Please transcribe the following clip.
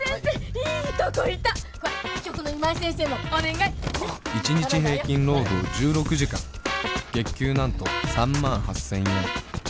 いいところにいたこれ医局の今井先生までお願い一日平均労働１６時間月給なんと３万８千円